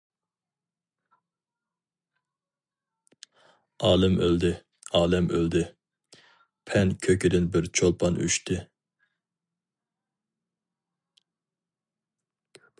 ئالىم ئۆلدى، ئالەم ئۆلدى، پەن كۆكىدىن بىر چولپان ئۇچتى.